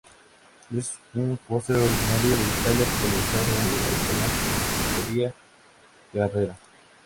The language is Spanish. Es un postre originario de Italia, popularizado en Uruguay por la Confitería Carrera.